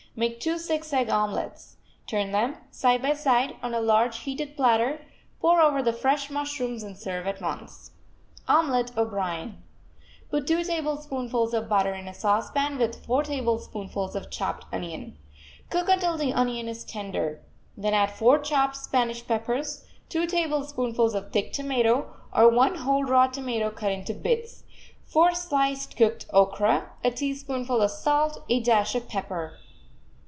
Make two six egg omelets. Turn them, side by side, on a large heated platter, pour over the fresh mushrooms and serve at once. OMELET O'BRIEN Put two tablespoonfuls of butter in a saucepan with four tablespoonfuls of chopped onion. Cook until the onion is tender. Then add four chopped Spanish peppers, two tablespoonfuls of thick tomato, or one whole raw tomato cut into bits, four sliced cooked okra, a teaspoonful of salt, a dash of pepper.